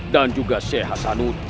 dan juga seh hasanud